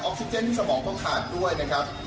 ซิเจนที่สมองต้องขาดด้วยนะครับ